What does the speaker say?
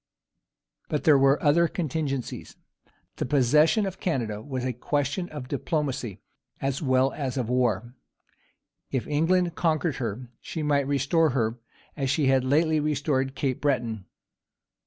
But there were other contingencies. The possession of Canada was a question of diplomacy as well as of war. If England conquered her, she might restore her, as she had lately restored Cape Breton.